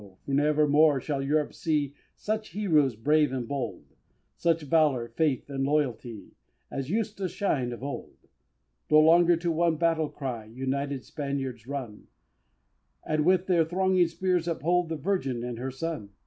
never more shall Europe see Such Heroes brave and bold, Such Valor, Faith and Loyalty, As used to shine of old! No longer to one battle cry United Spaniards run, And with their thronging spears uphold The Virgin and her Son!